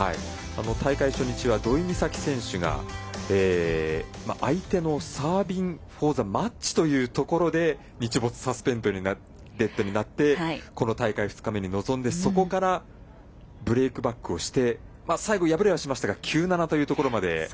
大会初日は土居美咲選手が相手のサービングフォーザマッチというところで日没サスペンデッドになってこの大会２日目に臨んでそこからブレークバックをして最後敗れはしましたが９−７というところまで。